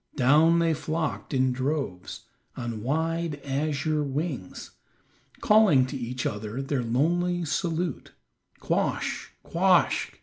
Down they flocked in droves, on wide azure wings, calling to each other their lonely salute, "Quoskh, quoskh."